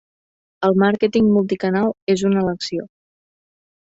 El màrqueting multicanal és una elecció.